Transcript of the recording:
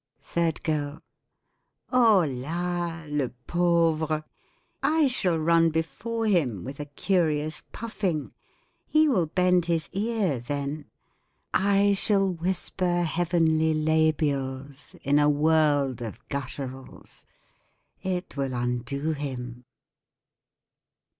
THIRD GIRL Oh, la ... le pauvre ! 60 I shall run before him. With a curious puffing. He will bend his ear then. I shall whisper Heavenly labials in a world of gutturals. It will undo him.